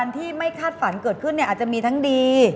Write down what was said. ที่ไม่คาดฝันเกิดขึ้นอาจจะมีทั้งดี